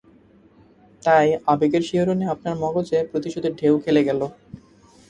তাই, আবেগের শিহরণে আপনার মগজে প্রতিশোধের ঢেউ খেলে গেল!